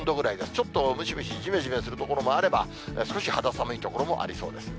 ちょっとムシムシ、じめじめする所もあれば、少し肌寒い所もありそうです。